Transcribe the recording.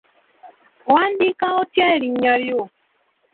Owandiika otya erinnya lyo?